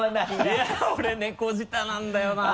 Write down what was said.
いやっ俺猫舌なんだよな。